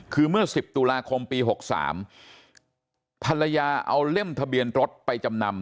คือเมื่อ๑๐ตุลาคมปี๖๓ภรรยาเอาเล่มทะเบียนรถไปจำนำ